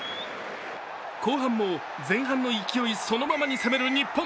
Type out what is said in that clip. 後半も前半の勢いそのままに攻める日本。